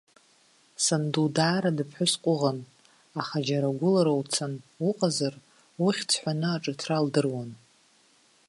Санду даара дыԥҳәыс ҟәыӷан, аха џьара гәылара уцан уҟазар, ухьӡ ҳәаны аҿыҭра лдыруан.